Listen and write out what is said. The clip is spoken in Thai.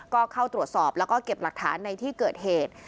ก็เข้าตรวจสอบแล้วก็เก็บหลักฐานในที่เกิดเหตุ